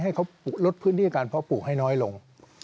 ให้เขาลดพื้นที่การเพาะปลูกให้น้อยลง